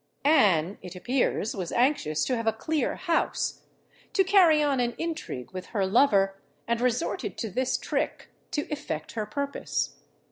Anne, it appears, was anxious to have a clear house, to carry on an intrigue with her lover, and resorted to this trick to effect her purpose.